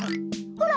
ほら！